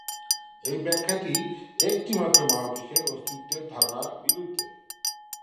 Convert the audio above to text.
এই ব্যাখ্যাটি একটি মাত্র মহাবিশ্বের অস্তিত্বের ধারণার বিরুদ্ধে।